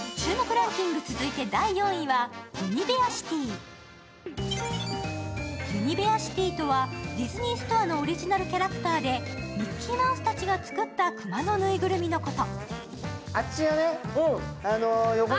ＵＮｉＢＥＡＲｓｉｔｙとは、ディズニーストアのオリジナルキャラクターでミッキーマウスたちが作った熊のぬいぐるみのこと。